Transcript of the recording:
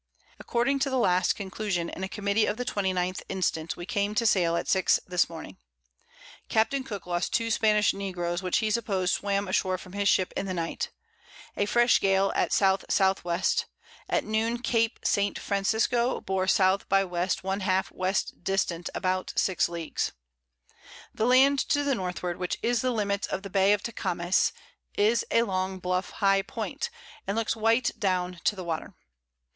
According to the last Conclusion in a Committee of the 29th instant, we came to sail at 6 this Morning. Capt. Cooke lost 2 Spanish Negroes, which he supposed swam ashore from his Ship in the Night. A fresh Gale at S. S. W. At Noon Cape St. Francisco bore S. by W. 1/2 W. distant about 6 Leagues. [Sidenote: Description of Tecames.] The Land to the Northward, which is the Limits of the Bay of Tecames, is a long bluff high Point, and looks white down to the Water.